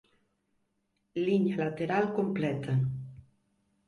Liña lateral completa.